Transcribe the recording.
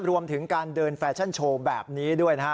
รวมถึงการเดินแฟชั่นโชว์แบบนี้ด้วยนะฮะ